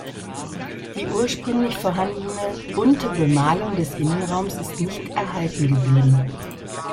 Die ursprünglich vorhandene bunte Bemalung des Innenraums ist nicht erhalten geblieben.